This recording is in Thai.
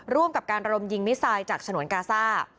ร่วมกับการระดมยิงมิสไซด์จากฉนวนกาซ่า